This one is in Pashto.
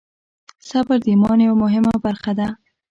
صبر د ایمان یوه مهمه برخه ده.